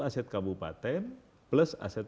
aset kabupaten plus aset